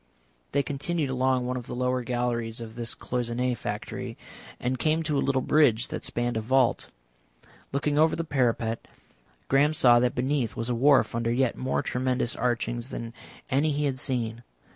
They continued along one of the lower galleries of this cloisonné factory, and came to a little bridge that spanned a vault. Looking over the parapet, Graham saw that beneath was a wharf under yet more tremendous archings than any he had seen.